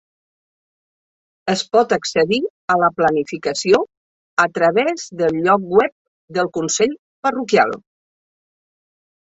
Es pot accedir a la planificació a través del lloc web del consell parroquial.